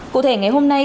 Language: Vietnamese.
cụ thể ngày hôm nay